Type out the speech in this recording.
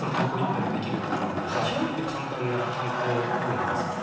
１本でできるという意味で極めて簡単な犯行行為なんですよね。